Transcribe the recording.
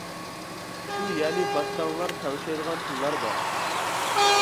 شۇ يەنى باسساڭلار تەڭشەيدىغان تىللار بار.